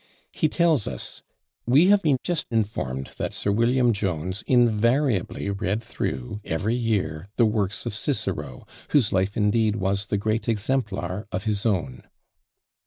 He tells us, "We have been just informed that Sir William Jones invariably read through every year the works of Cicero, whose life indeed was the great exemplar of his own."